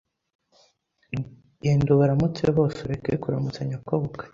genda ubaramutse bose ureke kuramutsa nyokobukwe,